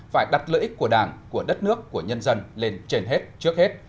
phải đặt lợi ích của đảng của đất nước của nhân dân lên trên hết trước hết